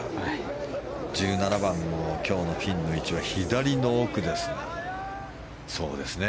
１７番の今日のピンの位置は左の奥ですが。